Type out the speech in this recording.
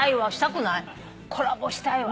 コラボしたいわ。